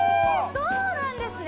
そうなんですね！